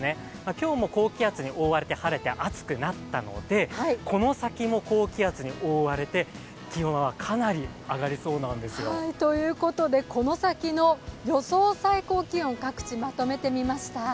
今日も高気圧に覆われて晴れて暑くなったのでこの先も高気圧に覆われて気温は、かなり上がりそうなんですよ。ということで、この先の予想最高気温、各地、まとめてみました。